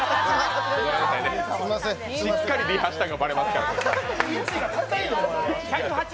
しっかりリハしたのがばれますから。